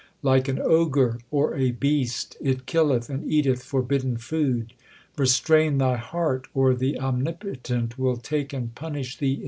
Like an ogre or a beast it killeth and eateth forbidden food. 2 Restrain thy heart, or the Omnipotent will take and punish thee in hell.